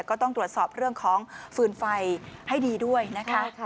ก็ต้องตรวจสอบเรื่องของฟืนไฟให้ดีด้วยนะคะ